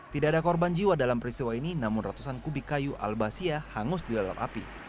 tidak ada korban jiwa dalam peristiwa ini namun ratusan kubik kayu albasia hangus dilalap api